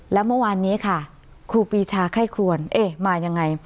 แล้วเมื่อวานนี้ค่ะครูปีชาไข้ครวนเอ๊ะมายังไง